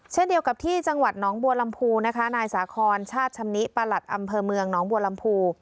เช่นเดียวกับที่จังหวัดน้องบัวลำพูนะคะนายสาคอนชาติชำนิประหลัดอำเภอเมืองน้องบัวลำพู